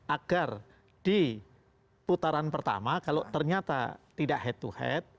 agar di putaran pertama kalau ternyata tidak head to head